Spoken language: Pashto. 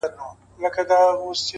گرانه دا اوس ستا د ځوانۍ په خاطر ـ